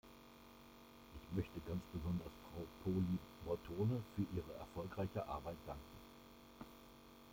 Ich möchte ganz besonders Frau Poli Bortone für ihre erfolgreiche Arbeit danken.